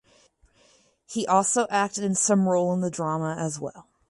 He also acted in some role in the drama as well.